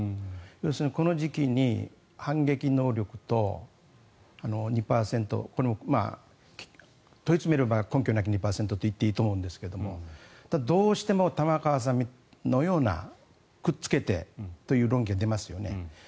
要するにこの時期に反撃能力と２％問い詰めれば根拠なき２％と言っていいと思うんですがただ、どうしても玉川さんのようなくっつけてという論議が出ますよね。